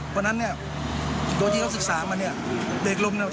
เพราะฉะนั้นเนี้ยลองศึกษามาเนี่ยเบรกลมเนี่ย